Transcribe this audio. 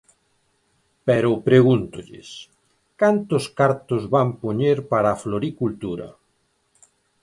Pero pregúntolles: ¿cantos cartos van poñer para a floricultura?